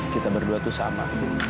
kita berdua tuh sama